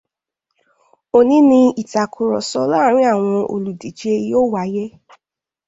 Òní ni Ìtàkùrọ̀sọ̀ láàárín àwọn olùdíje yóò wáyé.